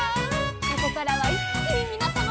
「ここからはいっきにみなさまを」